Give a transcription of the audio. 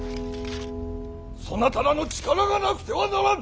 そなたらの力がなくてはならん！